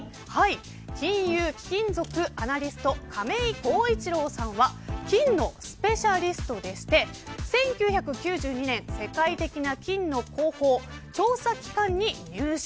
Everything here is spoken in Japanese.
金融・貴金属アナリスト亀井幸一郎さんは金のスペシャリストでして１９９２年世界的な金の広報・調査機関に入社。